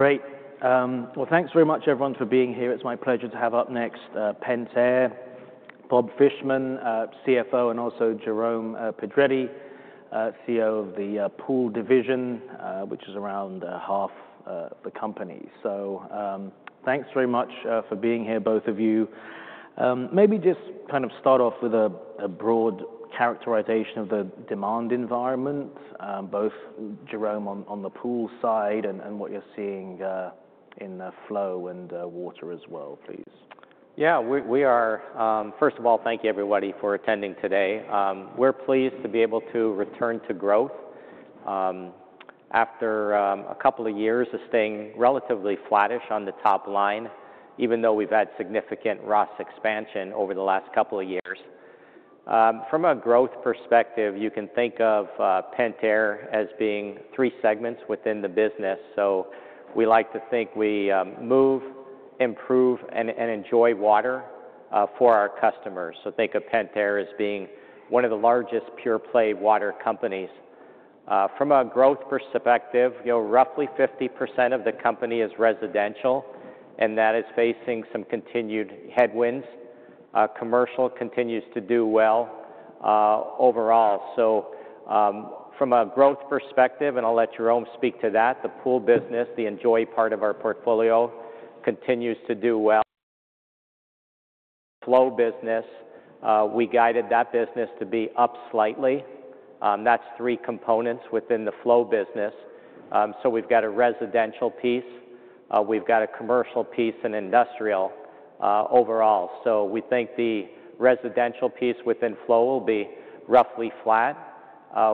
Great. Thanks very much, everyone, for being here. It's my pleasure to have up next Pentair, Bob Fishman, CFO, and also Jerome Pedretti, CEO of the Pool Division, which is around half the company. So thanks very much for being here, both of you. Maybe just kind of start off with a broad characterization of the demand environment, both Jerome on the Pool side and what you're seeing in flow and water as well, please. Yeah, we are. First of all, thank you, everybody, for attending today. We're pleased to be able to return to growth after a couple of years of staying relatively flattish on the top line, even though we've had significant ROS expansion over the last couple of years. From a growth perspective, you can think of Pentair as being three segments within the business. So we like to think we move, improve, and enjoy water for our customers. So think of Pentair as being one of the largest pure-play water companies. From a growth perspective, roughly 50% of the company is residential, and that is facing some continued headwinds. Commercial continues to do well overall. So from a growth perspective, and I'll let Jerome speak to that, the pool business, the enjoy part of our portfolio, continues to do well. Flow business, we guided that business to be up slightly. That's three components within the flow business. So we've got a residential piece, we've got a commercial piece, and industrial overall. So we think the residential piece within flow will be roughly flat.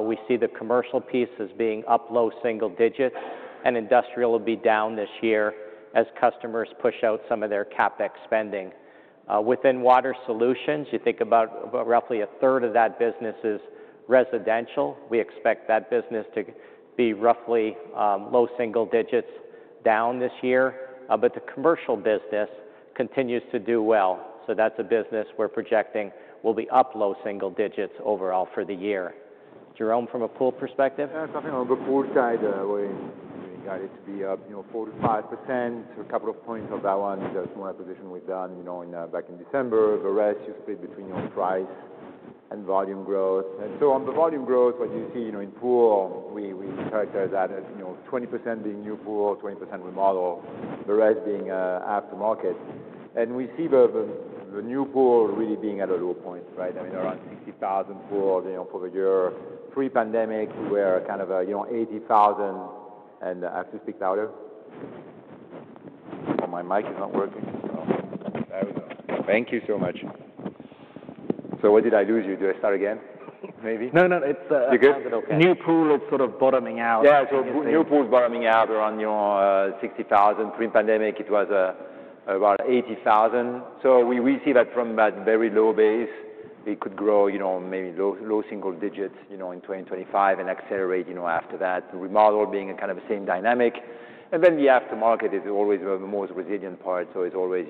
We see the commercial piece as being up low single digits, and industrial will be down this year as customers push out some of their CapEx spending. Within water solutions, you think about roughly a third of that business is residential. We expect that business to be roughly low single digits down this year. But the commercial business continues to do well. So that's a business we're projecting will be up low single digits overall for the year. Jerome, from a Pool perspective? Yeah, I think on the Pool side, we guided it to be up 45%, a couple of points of that one. That's more acquisition we've done back in December. The rest, you split between price and volume growth, and so on the volume growth, what you see in pool, we characterize that as 20% being new pool, 20% remodel, the rest being aftermarket. And we see the new pool really being at a low point, right? I mean, around 60,000 pools for the year. Pre-pandemic, we were kind of 80,000. And I have to speak louder. My mic is not working. There we go. Thank you so much. So what did I lose you? Do I start again, maybe? No, no, it's all good. New pool, it's sort of bottoming out. Yeah, so new pool is bottoming out around 60,000. Pre-pandemic, it was about 80,000, so we see that from that very low base, it could grow maybe low single digits in 2025 and accelerate after that, remodel being kind of the same dynamic, and then the aftermarket is always the most resilient part, so it's always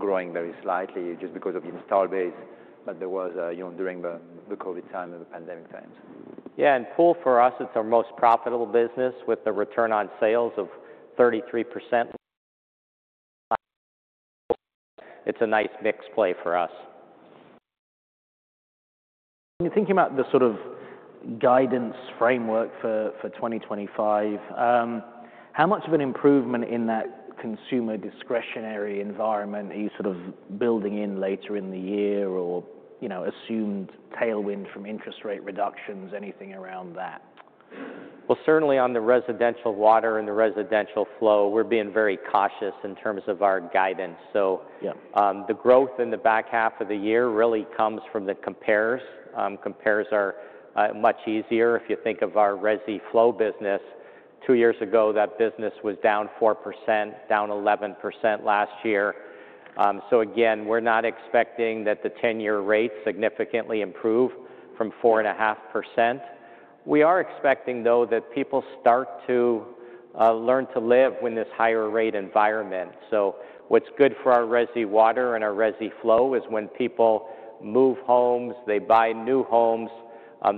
growing very slightly just because of the install base that there was during the COVID time and the pandemic times. Yeah, and pool for us, it's our most profitable business with a return on sales of 33%. It's a nice mixed play for us. When you're thinking about the sort of guidance framework for 2025, how much of an improvement in that consumer discretionary environment are you sort of building in later in the year or assumed tailwind from interest rate reductions, anything around that? Well, certainly on the residential water and the residential flow, we're being very cautious in terms of our guidance. So the growth in the back half of the year really comes from the compares. Compares are much easier if you think of our resi flow business. Two years ago, that business was down 4%, down 11% last year. So again, we're not expecting that the 10-year rate significantly improve from 4.5%. We are expecting, though, that people start to learn to live with this higher rate environment. So what's good for our resi water and our resi flow is when people move homes, they buy new homes,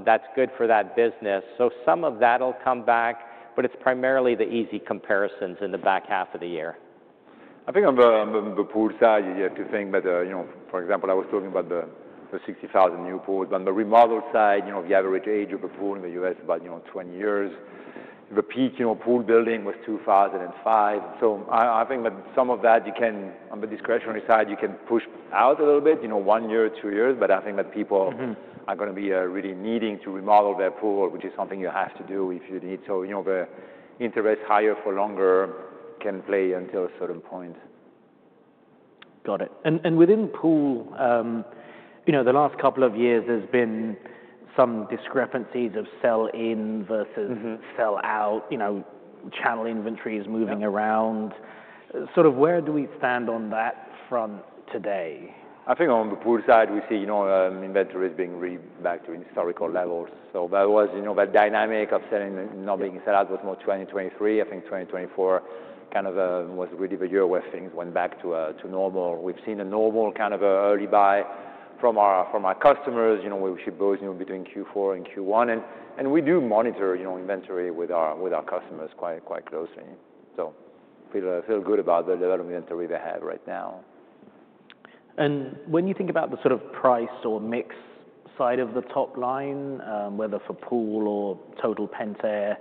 that's good for that business. So some of that will come back, but it's primarily the easy comparisons in the back half of the year. I think on the Pool side, you have to think that, for example, I was talking about the 60,000 new pools, but on the remodel side, the average age of a pool in the U.S. is about 20 years. The peak pool building was 2005, so I think that some of that, on the discretionary side, you can push out a little bit, one year, two years, but I think that people are going to be really needing to remodel their pool, which is something you have to do if you need, so the interest higher for longer can play until a certain point. Got it. And within Pool, the last couple of years, there's been some discrepancies of sell-in versus sell-out, channel inventories moving around. Sort of where do we stand on that front today? I think on the Pool side, we see inventory is being really back to historical levels. So that dynamic of selling and not being sell-out was more 2023. I think 2024 kind of was really the year where things went back to normal. We've seen a normal kind of early buy from our customers. We ship those between Q4 and Q1. And we do monitor inventory with our customers quite closely. So feel good about the level of inventory they have right now. When you think about the sort of price or mix side of the top line, whether for Pool or total Pentair,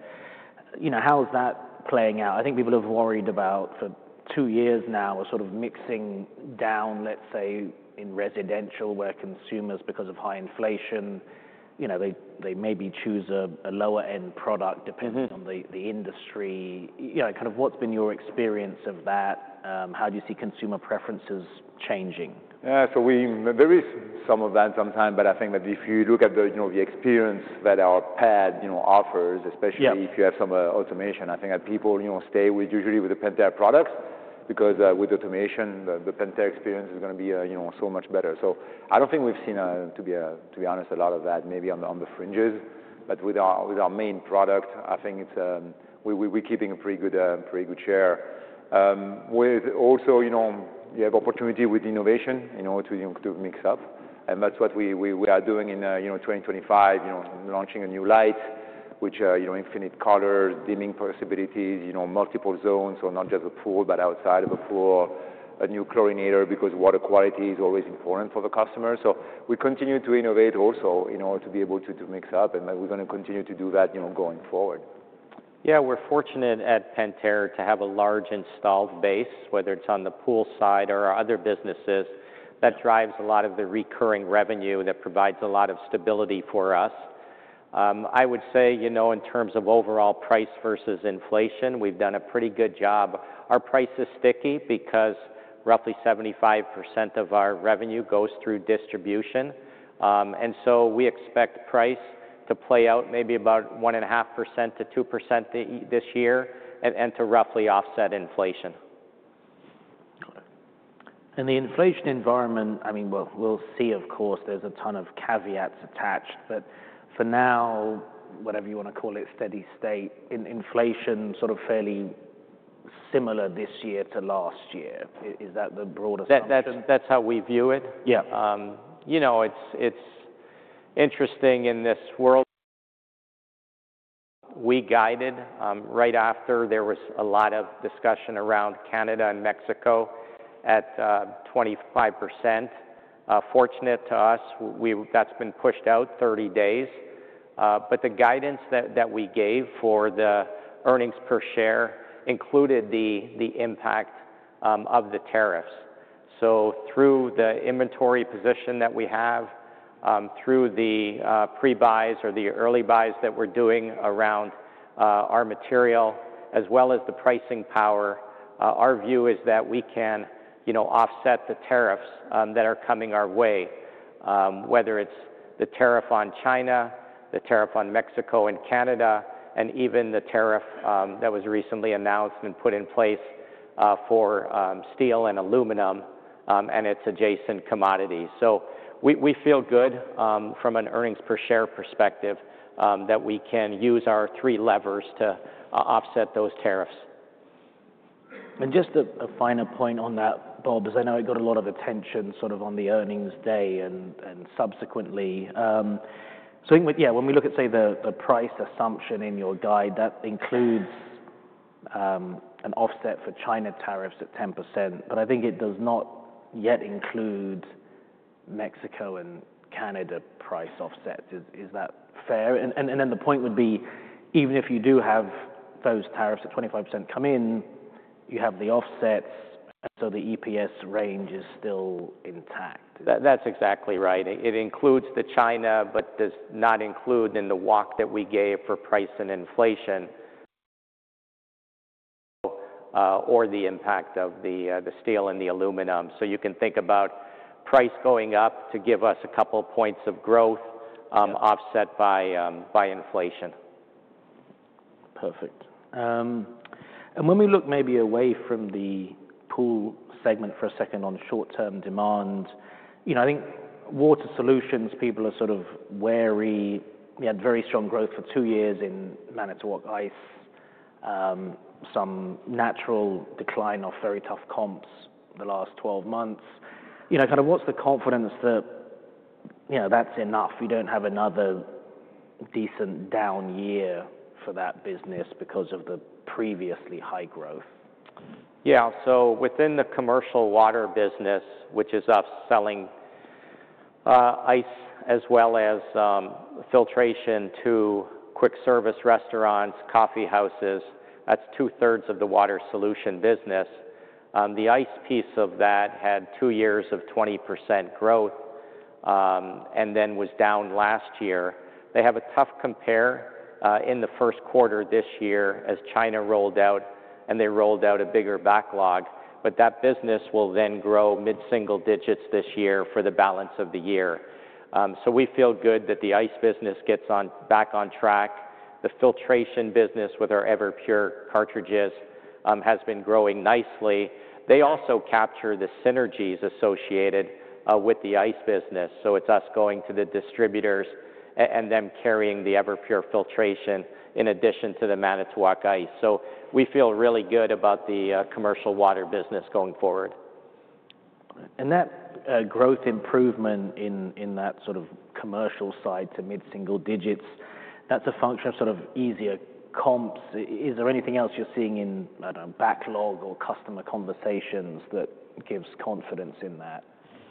how is that playing out? I think people have worried about for two years now, sort of mixing down, let's say, in residential where consumers, because of high inflation, they maybe choose a lower-end product depending on the industry. Kind of what's been your experience of that? How do you see consumer preferences changing? Yeah, so there is some of that sometimes. But I think that if you look at the experience that our PED offers, especially if you have some automation, I think that people stay usually with the Pentair products because with automation, the Pentair experience is going to be so much better. So I don't think we've seen, to be honest, a lot of that maybe on the fringes. But with our main product, I think we're keeping a pretty good share. Also, you have opportunity with innovation to mix up. And that's what we are doing in 2025, launching a new light, which infinite colors, dimming possibilities, multiple zones, so not just a pool, but outside of a pool, a new chlorinator because water quality is always important for the customers. So we continue to innovate also to be able to mix up. We're going to continue to do that going forward. Yeah, we're fortunate at Pentair to have a large installed base, whether it's on the Pool side or other businesses. That drives a lot of the recurring revenue that provides a lot of stability for us. I would say in terms of overall price versus inflation, we've done a pretty good job. Our price is sticky because roughly 75% of our revenue goes through distribution, and so we expect price to play out maybe about 1.5%-2% this year and to roughly offset inflation. And the inflation environment, I mean, we'll see, of course, there's a ton of caveats attached. But for now, whatever you want to call it, steady state, inflation sort of fairly similar this year to last year. Is that the broader question? That's how we view it. Yeah. It's interesting in this world. We guided right after there was a lot of discussion around Canada and Mexico at 25%. Fortunate to us, that's been pushed out 30 days. But the guidance that we gave for the earnings per share included the impact of the tariffs. So through the inventory position that we have, through the pre-buys or the early buys that we're doing around our material, as well as the pricing power, our view is that we can offset the tariffs that are coming our way, whether it's the tariff on China, the tariff on Mexico and Canada, and even the tariff that was recently announced and put in place for steel and aluminum and its adjacent commodities. So we feel good from an earnings per share perspective that we can use our three levers to offset those tariffs. And just a final point on that, Bob, because I know it got a lot of attention sort of on the earnings day and subsequently. So yeah, when we look at, say, the price assumption in your guide, that includes an offset for China tariffs at 10%. But I think it does not yet include Mexico and Canada price offsets. Is that fair? And then the point would be, even if you do have those tariffs at 25% come in, you have the offsets, so the EPS range is still intact. That's exactly right. It includes the China, but does not include in the walk that we gave for price and inflation or the impact of the steel and the aluminum. So you can think about price going up to give us a couple of points of growth offset by inflation. Perfect. And when we look maybe away from the pool segment for a second on short-term demand, I think water solutions, people are sort of wary. We had very strong growth for two years in Manitowoc Ice, some natural decline off very tough comps the last 12 months. Kind of what's the confidence that that's enough? We don't have another decent down year for that business because of the previously high growth. Yeah, so within the commercial water business, which is us selling ice as well as filtration to quick service restaurants, coffee houses, that's 2/3 of the water solution business. The ice piece of that had two years of 20% growth and then was down last year. They have a tough compare in the first quarter this year as China rolled out, and they rolled out a bigger backlog. But that business will then grow mid-single digits this year for the balance of the year. So we feel good that the ice business gets back on track. The filtration business with our Everpure cartridges has been growing nicely. They also capture the synergies associated with the ice business. So it's us going to the distributors and them carrying the Everpure filtration in addition to the Manitowoc Ice. So we feel really good about the commercial water business going forward. That growth improvement in that sort of commercial side to mid-single digits, that's a function of sort of easier comps. Is there anything else you're seeing in backlog or customer conversations that gives confidence in that?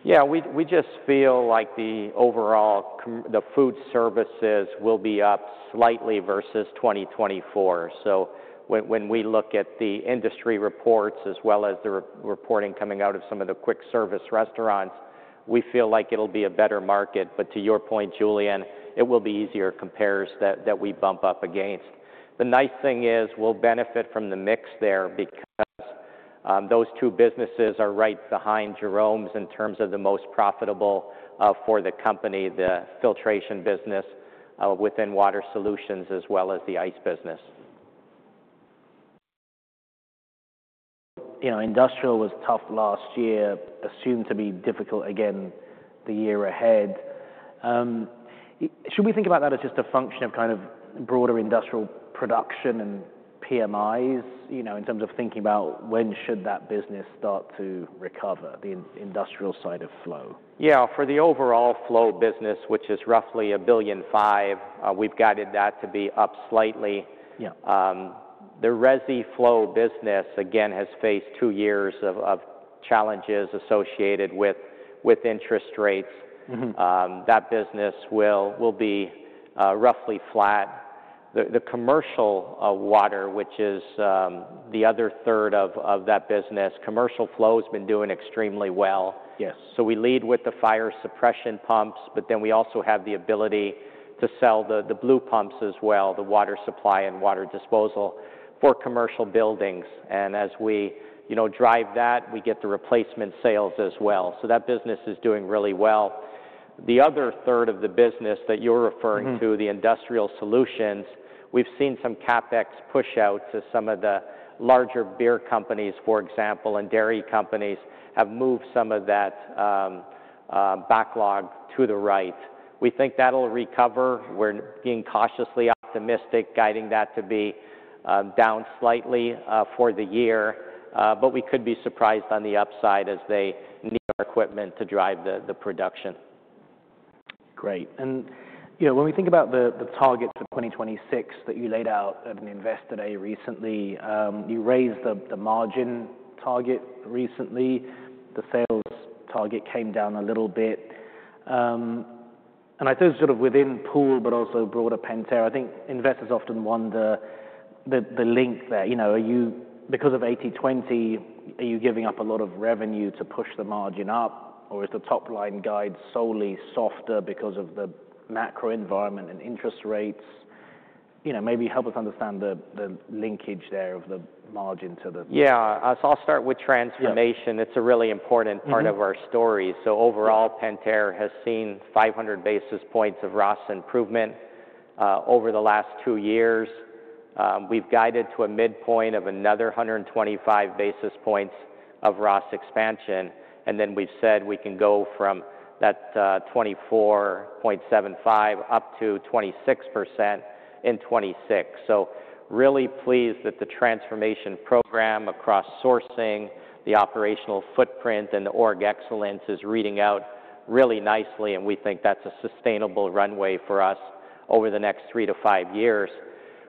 Yeah, we just feel like the overall, the food services will be up slightly versus 2024. So when we look at the industry reports as well as the reporting coming out of some of the quick service restaurants, we feel like it'll be a better market. But to your point, Julian, it will be easier compares that we bump up against. The nice thing is we'll benefit from the mix there because those two businesses are right behind Jerome's in terms of the most profitable for the company, the filtration business within water solutions as well as the ice business. Industrial was tough last year, assumed to be difficult again the year ahead. Should we think about that as just a function of kind of broader industrial production and PMIs in terms of thinking about when should that business start to recover, the industrial side of flow? Yeah, for the overall flow business, which is roughly $1.5 billion, we've guided that to be up slightly. The resi flow business, again, has faced two years of challenges associated with interest rates. That business will be roughly flat. The commercial water, which is the other third of that business. Commercial flow has been doing extremely well. So we lead with the fire suppression pumps, but then we also have the ability to sell the blue pumps as well, the water supply and water disposal for commercial buildings. And as we drive that, we get the replacement sales as well. So that business is doing really well. The other third of the business that you're referring to, the industrial solutions, we've seen some CapEx push out to some of the larger beer companies, for example, and dairy companies have moved some of that backlog to the right. We think that'll recover. We're being cautiously optimistic, guiding that to be down slightly for the year. But we could be surprised on the upside as they need our equipment to drive the production. Great. And when we think about the target for 2026 that you laid out at an Investor Day recently, you raised the margin target recently. The sales target came down a little bit. And I think sort of within pool, but also broader Pentair, I think investors often wonder the link there. Because of 80/20, are you giving up a lot of revenue to push the margin up? Or is the top line guide solely softer because of the macro environment and interest rates? Maybe help us understand the linkage there of the margin to the. Yeah, so I'll start with transformation. It's a really important part of our story. So overall, Pentair has seen 500 basis points of ROS improvement over the last two years. We've guided to a midpoint of another 125 basis points of ROS expansion. And then we've said we can go from that 24.75% up to 26% in 2026. So really pleased that the transformation program across sourcing, the operational footprint, and the org excellence is reading out really nicely. And we think that's a sustainable runway for us over the next three to five years.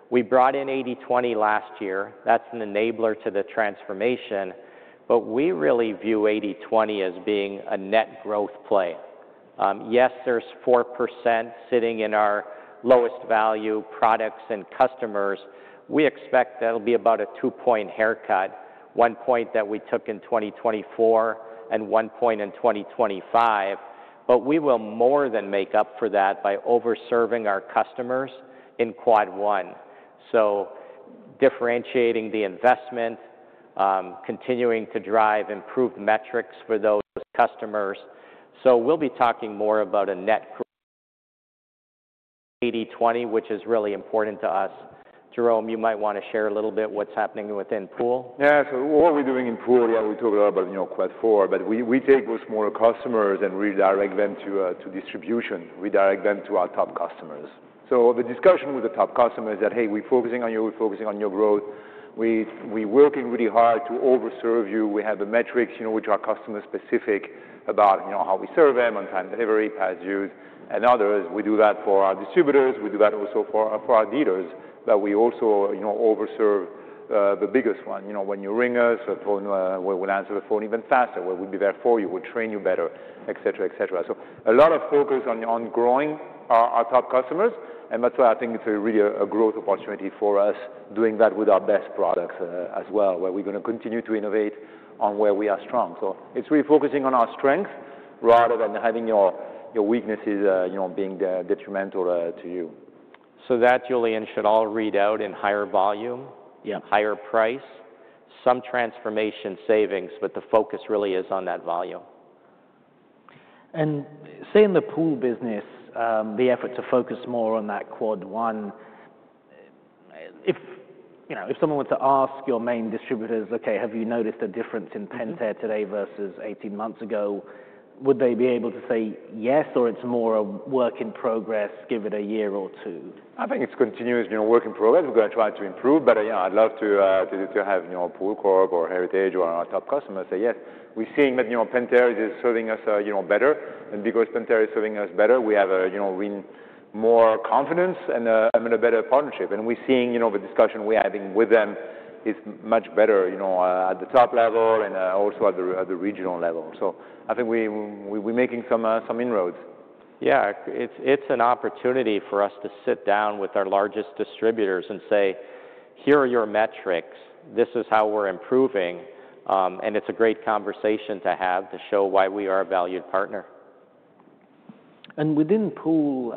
We brought in 80/20 last year. That's an enabler to the transformation. But we really view 80/20 as being a net growth play. Yes, there's 4% sitting in our lowest value products and customers. We expect that'll be about a two-point haircut, one point that we took in 2024 and one point in 2025. But we will more than make up for that by overserving our customers in Quad one. So, differentiating the investment, continuing to drive improved metrics for those customers. So we'll be talking more about a net 80/20, which is really important to us. Jerome, you might want to share a little bit what's happening within pool. Yeah, so what we're doing in Pool, yeah, we talked about quite far. But we take those smaller customers and redirect them to distribution. We direct them to our top customers. So the discussion with the top customers is that, hey, we're focusing on you. We're focusing on your growth. We're working really hard to overserve you. We have the metrics which are customer-specific about how we serve them on-time delivery, past dues, and others. We do that for our distributors. We do that also for our dealers. But we also overserve the biggest one. When you ring us, we will answer the phone even faster. We'll be there for you. We'll train you better, et cetera, et cetera. So a lot of focus on growing our top customers. And that's why I think it's really a growth opportunity for us doing that with our best products as well, where we're going to continue to innovate on where we are strong. So it's really focusing on our strengths rather than having your weaknesses being detrimental to you. So that, Julian, should all read out in higher volume, higher price, some transformation savings, but the focus really is on that volume. Say in the pool business, the effort to focus more on that Quad one, if someone were to ask your main distributors, okay, have you noticed a difference in Pentair today versus 18 months ago, would they be able to say yes or it's more a work in progress, give it a year or two? I think it's continuous work in progress. We're going to try to improve. But yeah, I'd love to have POOLCORP or Heritage or our top customers say yes. We're seeing that Pentair is serving us better. And because Pentair is serving us better, we have more confidence and a better partnership. And we're seeing the discussion we're having with them is much better at the top level and also at the regional level. So I think we're making some inroads. Yeah, it's an opportunity for us to sit down with our largest distributors and say, here are your metrics. This is how we're improving and it's a great conversation to have to show why we are a valued partner. Within Pool,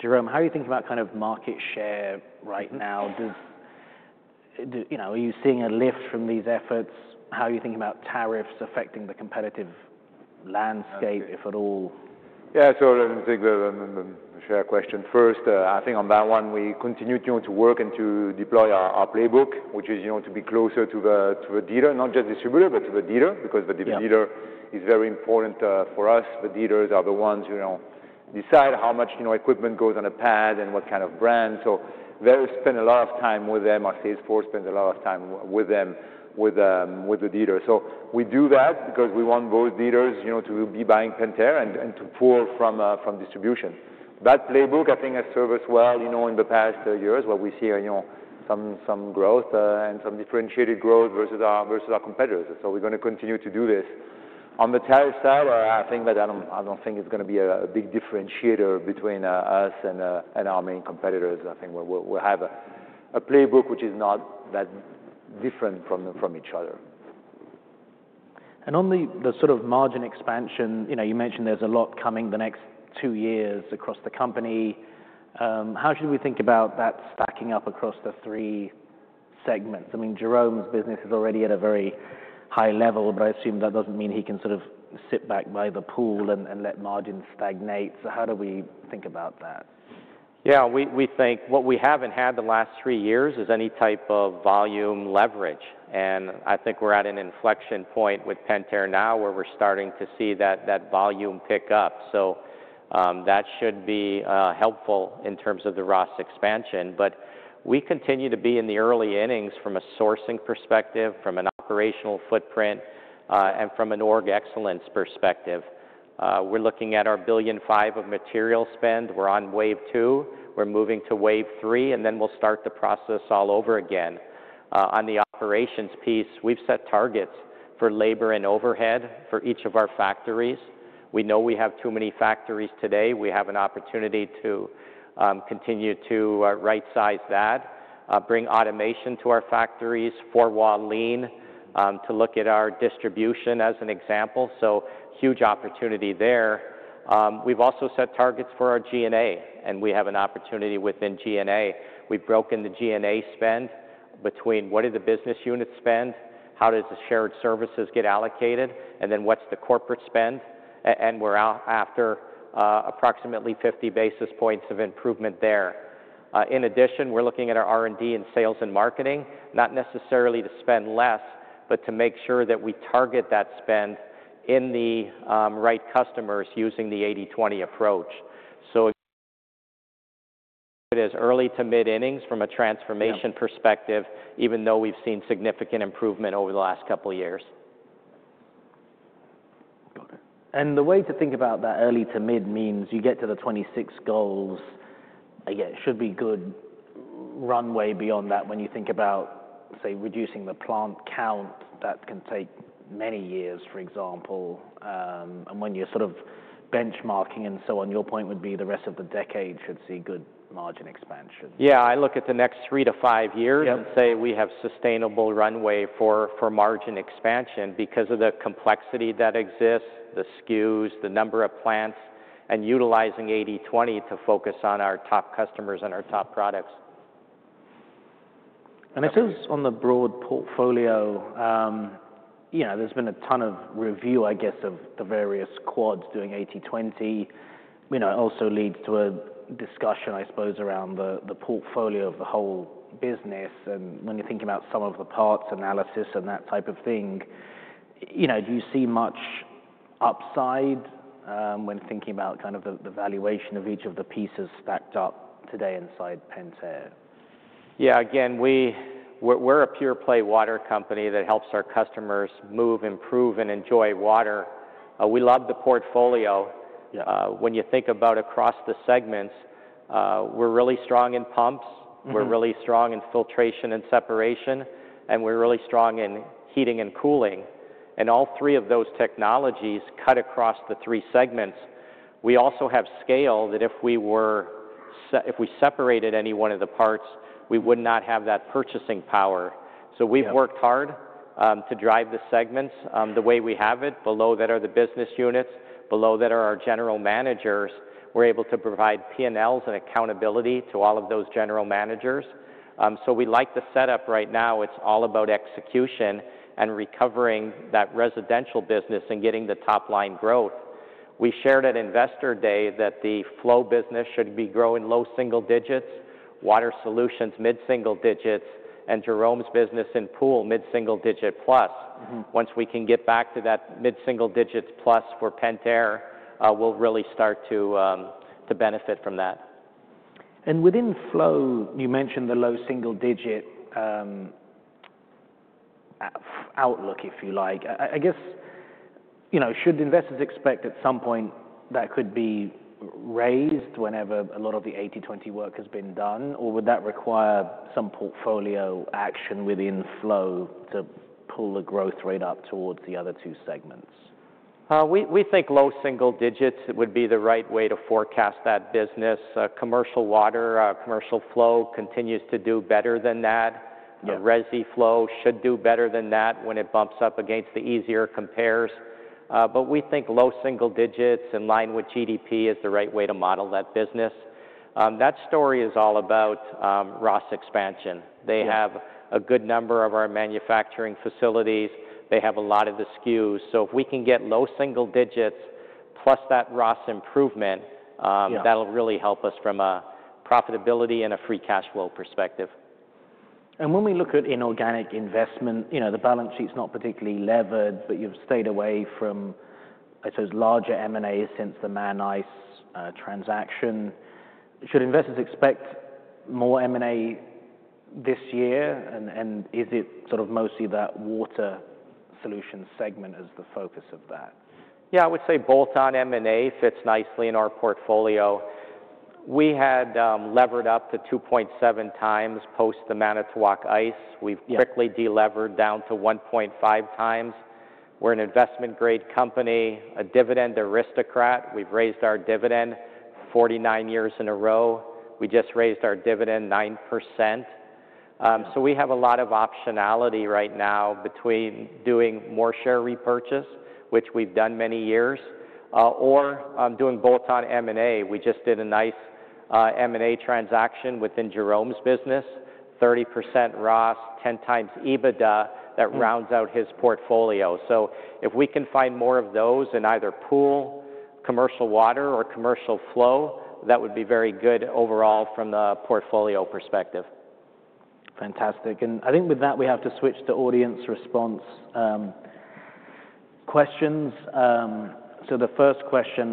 Jerome, how are you thinking about kind of market share right now? Are you seeing a lift from these efforts? How are you thinking about tariffs affecting the competitive landscape, if at all? Yeah, so let me take the share question first. I think on that one, we continue to work and to deploy our playbook, which is to be closer to the dealer, not just distributor, but to the dealer, because the dealer is very important for us. The dealers are the ones who decide how much equipment goes on a pad and what kind of brand. So we spend a lot of time with them. Our sales force spends a lot of time with them with the dealers. So we do that because we want both dealers to be buying Pentair and to pull from distribution. That playbook, I think, has served us well in the past years, where we see some growth and some differentiated growth versus our competitors. So we're going to continue to do this. On the tariff side, I think that I don't think it's going to be a big differentiator between us and our main competitors. I think we'll have a playbook which is not that different from each other. On the sort of margin expansion, you mentioned there's a lot coming the next two years across the company. How should we think about that stacking up across the three segments? I mean, Jerome's business is already at a very high level, but I assume that doesn't mean he can sort of sit back by the Pool and let margins stagnate. So how do we think about that? Yeah, we think what we haven't had the last three years is any type of volume leverage. And I think we're at an inflection point with Pentair now where we're starting to see that volume pick up. So that should be helpful in terms of the ROS expansion. But we continue to be in the early innings from a sourcing perspective, from an operational footprint, and from an org excellence perspective. We're looking at our $1.5 billion of material spend. We're on wave two. We're moving to wave three, and then we'll start the process all over again. On the operations piece, we've set targets for labor and overhead for each of our factories. We know we have too many factories today. We have an opportunity to continue to right-size that, bring automation to our factories, four-wall lean to look at our distribution as an example. So huge opportunity there. We've also set targets for our G&A, and we have an opportunity within G&A. We've broken the G&A spend between what do the business units spend, how does the shared services get allocated, and then what's the corporate spend, and we're after approximately 50 basis points of improvement there. In addition, we're looking at our R&D and sales and marketing, not necessarily to spend less, but to make sure that we target that spend in the right customers using the 80/20 approach, so it is early-to-mid innings from a transformation perspective, even though we've seen significant improvement over the last couple of years. And the way to think about that, early-to-mid, means you get to the 26 goals. It should be a good runway beyond that when you think about, say, reducing the plant count that can take many years, for example. And when you're sort of benchmarking and so on, your point would be the rest of the decade should see good margin expansion. Yeah, I look at the next three to five years and say we have sustainable runway for margin expansion because of the complexity that exists, the SKUs, the number of plants, and utilizing 80/20 to focus on our top customers and our top products. And I suppose on the broad portfolio, there's been a ton of review, I guess, of the various quads doing 80/20. It also leads to a discussion, I suppose, around the portfolio of the whole business. And when you're thinking about some of the parts analysis and that type of thing, do you see much upside when thinking about kind of the valuation of each of the pieces stacked up today inside Pentair? Yeah, again, we're a pure play water company that helps our customers move, improve, and enjoy water. We love the portfolio. When you think about across the segments, we're really strong in pumps. We're really strong in filtration and separation. And we're really strong in heating and cooling. And all three of those technologies cut across the three segments. We also have scale that if we separated any one of the parts, we would not have that purchasing power. So we've worked hard to drive the segments the way we have it. Below that are the business units. Below that are our general managers. We're able to provide P&Ls and accountability to all of those general managers. So we like the setup right now. It's all about execution and recovering that residential business and getting the top line growth. We shared at Investor Day that the flow business should be growing low single digits, water solutions mid single digits, and Jerome's business in Pool mid-single-digit plus. Once we can get back to that mid single digits plus for Pentair, we'll really start to benefit from that. And within flow, you mentioned the low-single-digit outlook, if you like. I guess, should investors expect at some point that could be raised whenever a lot of the 80/20 work has been done? Or would that require some portfolio action within flow to pull the growth rate up towards the other two segments? We think low single digits would be the right way to forecast that business. Commercial water, commercial flow continues to do better than that. The resi flow should do better than that when it bumps up against the easier compares. But we think low single digits in line with GDP is the right way to model that business. That story is all about ROS expansion. They have a good number of our manufacturing facilities. They have a lot of the SKUs. So if we can get low single digits plus that ROS improvement, that'll really help us from a profitability and a free cash flow perspective. And when we look at inorganic investment, the balance sheet's not particularly levered, but you've stayed away from, I suppose, larger M&As since the Man Ice transaction. Should investors expect more M&A this year? And is it sort of mostly that water solution segment as the focus of that? Yeah, I would say bolt-on M&A fits nicely in our portfolio. We had levered up to 2.7x post the Manitowoc Ice. We've quickly delevered down to 1.5x. We're an investment-grade company, a Dividend Aristocrat. We've raised our dividend 49 years in a row. We just raised our dividend 9%. So we have a lot of optionality right now between doing more share repurchase, which we've done many years, or doing bolt-on M&A. We just did a nice M&A transaction within Jerome's business, 30% ROS, 10x EBITDA that rounds out his portfolio. So if we can find more of those in either pool, commercial water, or commercial flow, that would be very good overall from the portfolio perspective. Fantastic. And I think with that, we have to switch to audience response questions. So the first question.